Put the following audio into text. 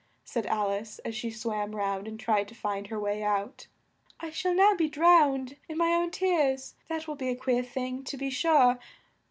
said Al ice as she swam round and tried to find her way out. "I shall now be drowned in my own tears. That will be a queer thing, to be sure!